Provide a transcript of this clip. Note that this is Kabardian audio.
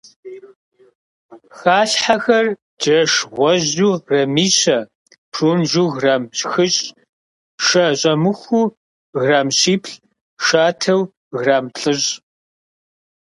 Халъхьэхэр: джэш гъуэжьу граммищэ, прунжу грамм хыщӏ, шэ щӀэмыхуу грамм щиплӏ, шатэу грамм плӏыщӏ.